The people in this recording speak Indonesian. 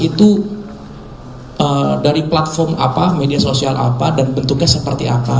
itu dari platform apa media sosial apa dan bentuknya seperti apa